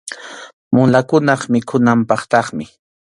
Mulakunap mikhunanpaqtaqmi.